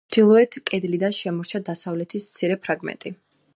ჩრდილოეთ კედლიდან შემორჩა დასავლეთის მცირე ფრაგმენტი.